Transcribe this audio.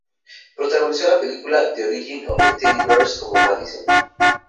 Protagonizó la película "The Origin of Teddy Bears" como Madison.